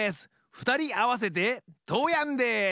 ふたりあわせてトーヤンです！